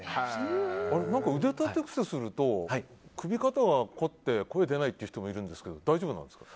腕立て伏せすると首、肩がこって声が出ないって人いるんですけど大丈夫なんですか？